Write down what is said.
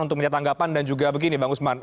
untuk menyatakan dan juga begini bang usman